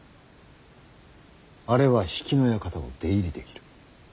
あれは比企の館を出入りできる。